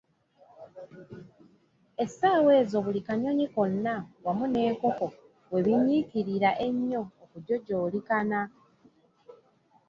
Essaawa ezo buli kanyonyi konna wamu n'enkoko we binyiikirira ennyo okujojoolikana.